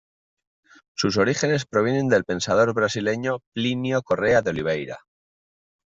Sus orígenes provienen del pensador brasileño Plinio Corrêa de Oliveira.